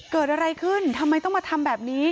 เกิดอะไรขึ้นทำไมต้องมาทำแบบนี้